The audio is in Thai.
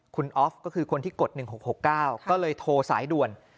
คุณออฟก็คือคนที่กด๑๖๖๙ก็เลยโทรสายด่วน